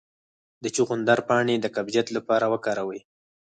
د چغندر پاڼې د قبضیت لپاره وکاروئ